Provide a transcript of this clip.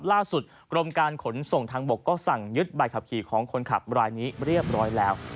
กรมการขนส่งทางบกก็สั่งยึดใบขับขี่ของคนขับรายนี้เรียบร้อยแล้ว